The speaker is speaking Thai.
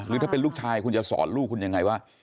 ถ้าเป็นลูกชายคุณจะสอนลูกคุณยังไงว่า